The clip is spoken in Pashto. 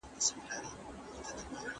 دوی په هیواد کي د فقر کچه معلوموي.